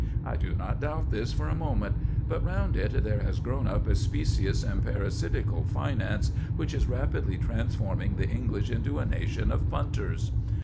I do not doubt this for a moment; but round it there has grown up a specious and parasitical finance which is rapidly transforming the English into a nation of punters.